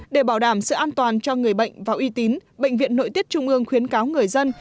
để bảo đảm sự an toàn cho người bệnh và uy tín bệnh viện nội tiết trung ương khuyến cáo người dân